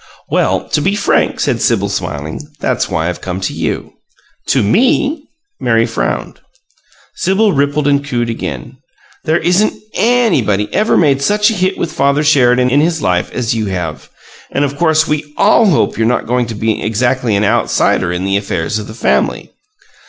"Well, to be frank," said Sibyl, smiling, "that's why I've come to you." "To ME!" Mary frowned. Sibyl rippled and cooed again. "There isn't ANYBODY ever made such a hit with Father Sheridan in his life as you have. And of course we ALL hope you're not going to be exactly an outsider in the affairs of the family!"